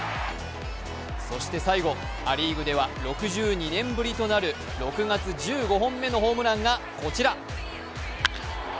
そして最後、ア・リーグでは６２年ぶりとなる、６月、１５本目のホームランがこちら。